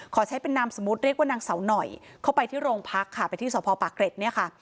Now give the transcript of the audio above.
ขอใช้เป็นนามสมมุติเรียกว่านางเสาหน่อยเข้าไปที่โรงพักค่ะไปที่สพปากเกร็ดเนี่ยค่ะ